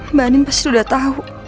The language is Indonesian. mbak andi pasti udah tau